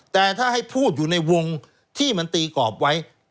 แต่ถ้าให้พูดอยู่ในวงที่มันตีกรอบไว้